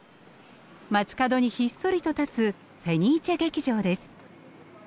街角にひっそりと立つフェニーチェ劇場です。